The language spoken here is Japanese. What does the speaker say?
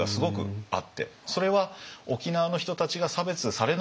それは沖縄の人たちが差別されないように。